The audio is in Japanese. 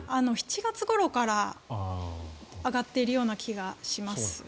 ７月ごろから上がっているような気がします。